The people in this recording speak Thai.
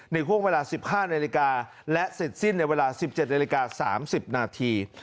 ในห้วงเวลาสิบห้านาฬิกาและเสร็จสิ้นในเวลาสิบเจ็ดนาฬิกาสามสิบนาที